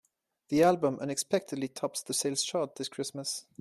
The album unexpectedly tops the sales chart this Christmas.